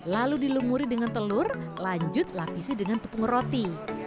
lalu dilumuri dengan telur lanjut lapisi dengan tepung roti